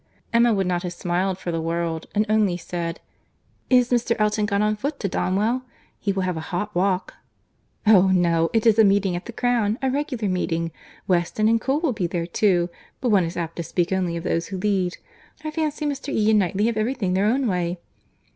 Emma would not have smiled for the world, and only said, "Is Mr. Elton gone on foot to Donwell?—He will have a hot walk." "Oh! no, it is a meeting at the Crown, a regular meeting. Weston and Cole will be there too; but one is apt to speak only of those who lead.—I fancy Mr. E. and Knightley have every thing their own way."